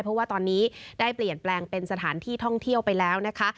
เพราะว่าตอนนี้ได้เปลี่ยนแปลงเป็นสถานที่ท่องเที่ยวไปแล้วนะคะ